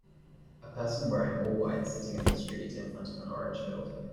A person wearing all white sitting in the street in front of an orange building.